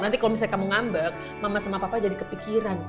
nanti kalau misalnya kamu ngambek mama sama papa jadi kepikiran